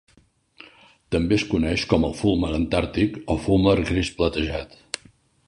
També es coneix com el fulmar antàrtic o fulmar gris platejat.